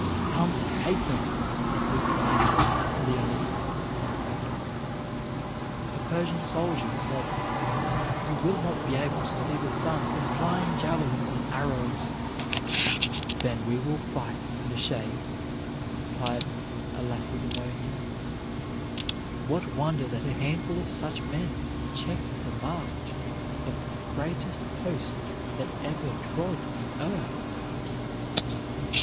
"Come and take them," was the answer Leonidas sent back. A Persian soldier said: "You will not be able to see the sun for flying javelins and arrows." "Then we will fight in the shade," replied a Lacedemonian. What wonder that a handful of such men checked the march of the greatest host that ever trod the earth!